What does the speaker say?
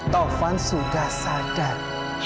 taufan sudah sadar